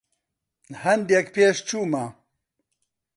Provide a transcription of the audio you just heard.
هەندێک پێشچوومە.